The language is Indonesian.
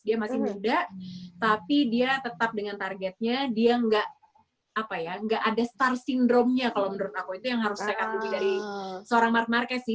dia masih muda tapi dia tetap dengan targetnya dia nggak ada star syndromnya kalau menurut aku itu yang harus saya akui dari seorang mark marquez sih